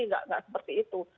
enggak seperti itu